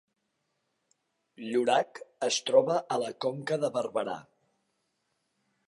Llorac es troba a la Conca de Barberà